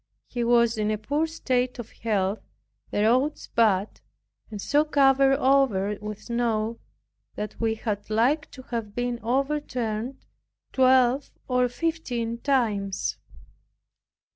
He was in a poor state of health, the roads bad, and so covered over with snow, that we had like to have been overturned twelve or fifteen times.